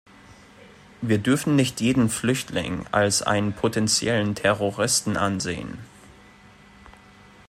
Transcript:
Wir dürfen nicht jeden Flüchtling als einen potenziellen Terroristen ansehen.